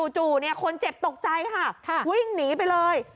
จู่คนเจ็บตกใจค่ะวิ่งหนีไปเลย